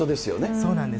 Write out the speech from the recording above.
そうなんです。